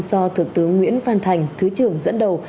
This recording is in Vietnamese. do thượng tướng nguyễn văn thành thứ trưởng dẫn đầu